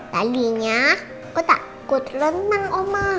tadinya aku takut renang oma